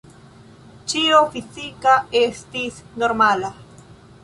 Ĉio fizika estis normala.